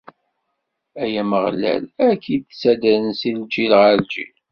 Ay Ameɣlal, ad k-id-ttadren si lǧil ɣer lǧil.